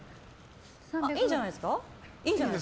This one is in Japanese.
いいんじゃないですか。